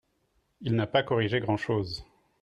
Il n’a pas corrigé grand-chose